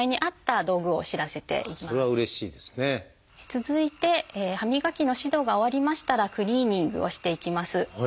続いて歯磨きの指導が終わりましたらクリーニングをしていきます。